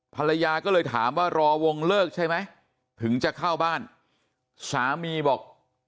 ภรรยาก็เลยถามว่ารอวงเลิกใช่ไหมถึงจะเข้าบ้านสามีบอก